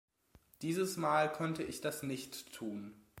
Dieses Mal konnte ich das nicht tun.